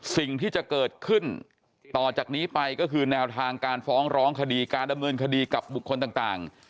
สิ่งที่จะเกิดขึ้นต่อจากนี้ไปก็คือแนวทางการฟ้องร้องคดีการดำเนินคดีกับบุคคลต่าง